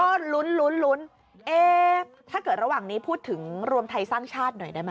ก็ลุ้นลุ้นเอ๊ะถ้าเกิดระหว่างนี้พูดถึงรวมไทยสร้างชาติหน่อยได้ไหม